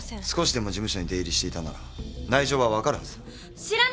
少しでも事務所に出入りしていたなら内情は分かるはずだ。